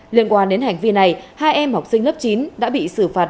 liên quan đến hành vi này hai em học sinh lớp chín đã bị xử phạt